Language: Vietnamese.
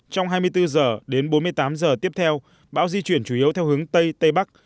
trong hai mươi bốn giờ đến bốn mươi tám giờ tiếp theo bão di chuyển chủ yếu theo hướng tây tây bắc